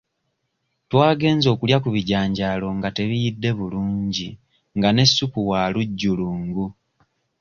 Twagenze okulya ku bijanjaalo nga tebiyidde bulungi nga ne ssupu wa lujjulungu.